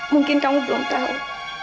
mungkin kamu belum tahu